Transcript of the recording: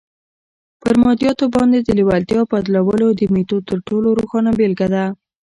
پر مادياتو باندې د لېوالتیا بدلولو د ميتود تر ټولو روښانه بېلګه ده.